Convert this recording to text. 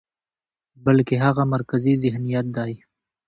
بلکې هغه مرکزي ذهنيت دى،